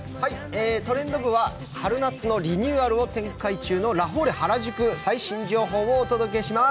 「トレンド部」は春夏のリニューアルを展開中のラフォーレ原宿最新情報をお届けします。